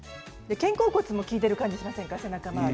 肩甲骨も効いている感じがしませんか背中周り。